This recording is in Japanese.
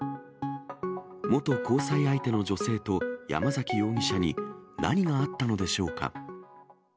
元交際相手の女性と山崎容疑者に何があったのでしょうか。